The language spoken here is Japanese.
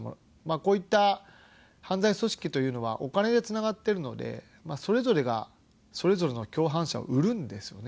こういった犯罪組織というのはお金でつながっているので、それぞれがそれぞれの共犯者を売るんですよね。